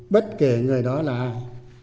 bất kể người đó là ai